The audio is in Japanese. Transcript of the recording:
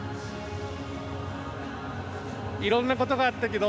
いろんなことがあったけど。